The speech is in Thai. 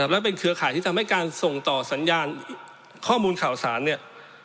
และเป็นเครือข่ายที่ทำให้การส่งต่อสัญญาณข้อมูลข่าวสารเนี่ย